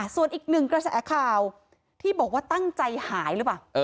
ส่วนอีกหนึ่งกระแสข่าวที่บอกว่าตั้งใจหายหรือเปล่า